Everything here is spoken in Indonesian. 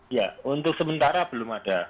ya untuk sementara belum ada